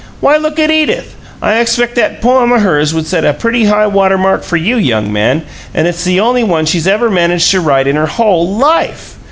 Why, look at Edith! I expect that poem o' hers would set a pretty high water mark for you, young man, and it's the only one she's ever managed to write in her whole LIFE!